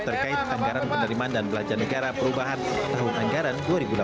terkait anggaran penerimaan dan belanja negara perubahan tahun anggaran dua ribu delapan belas